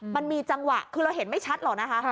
มันมีจังหวะคือเราเห็นไม่ชัดหรอกนะคะ